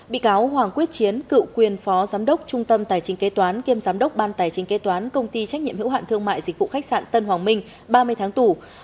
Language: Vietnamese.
bị cáo hoàng quyết chiến cựu quyền phó giám đốc trung tâm tài chính kế toán kiêm giám đốc ban tài chính kế toán công ty trách nhiệm hữu hạn thương mại dịch vụ khách sạn tân hoàng minh ba mươi tháng tù